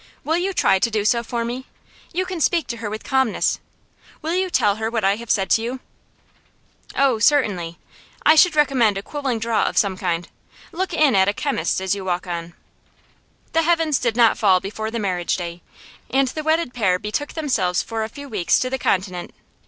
Will you try to do so for me? You can speak to her with calmness. Will you tell her what I have said to you?' 'Oh, certainly. I should recommend a cooling draught of some kind. Look in at a chemist's as you walk on.' The heavens did not fall before the marriage day, and the wedded pair betook themselves for a few weeks to the Continent.